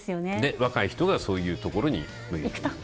若い人がそういうところにいくと。